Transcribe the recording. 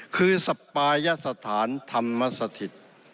คือสปายสถานธรรมสถิต